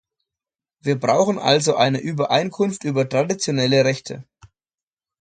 Wir brauchen also eine Übereinkunft über traditionelle Rechte.